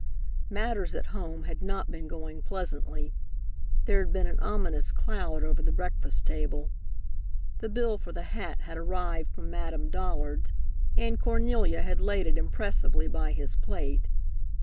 Matters at home had not been going pleasantly. There had been an ominous cloud over the breakfast table. The bill for the hat had arrived from Madame Dollard's, and Cornelia had laid it impressively by his plate.